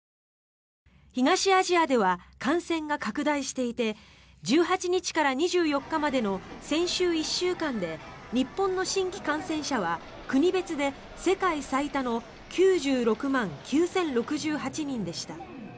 東アジアでは感染が拡大していて１８日から２４日までの先週１週間で日本の新規感染者は国別で世界最多の９６万９０６８人でした。